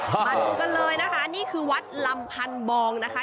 มาดูกันเลยนะคะนี่คือวัดลำพันบองนะคะ